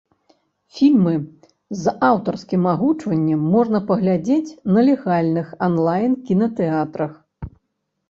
Фільмы з аўтарскім агучваннем можна паглядзець на легальных анлайн-кінатэатрах.